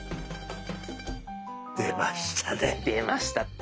出ましたね。